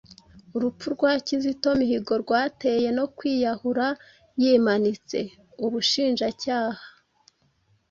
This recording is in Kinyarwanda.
Urupfu rwa Kizito Mihigo 'rwatewe no kwiyahura yimanitse' – ubushinjacyaha